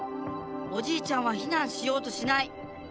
おじいちゃんは避難しようとしない。